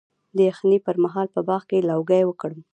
د یخنۍ پر مهال په باغ کې لوګی وکړم؟